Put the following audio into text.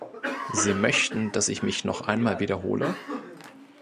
Sie möchten, dass ich mich noch einmal wiederhole?